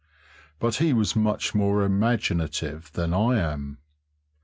But he was much more imaginative than I am.